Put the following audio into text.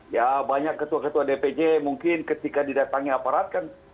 ya banyak ketua ketua dpj mungkin ketika didatangi aparat kan